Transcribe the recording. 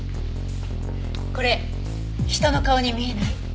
これ人の顔に見えない？